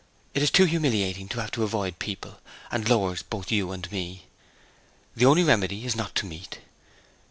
It is too humiliating to have to avoid people, and lowers both you and me. The only remedy is not to meet.'